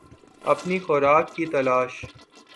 اپنی خوراک کی تلاش